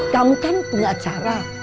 kamu kan punya acara